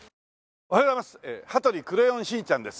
おはようございます。